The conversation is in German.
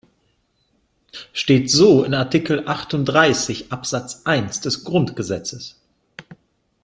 Steht so in Artikel achtunddreißig, Absatz eins des Grundgesetzes.